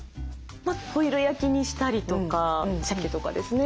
ホイル焼きにしたりとかしゃけとかですね。